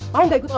mau gak ikut om